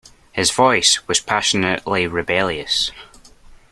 His voice was passionately rebellious.